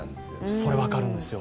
それ分かるんですよ。